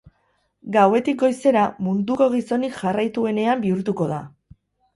Gauetik goizera, munduko gizonik jarraituenean bihurtuko da.